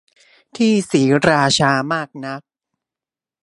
ที่ศรีราชามากนัก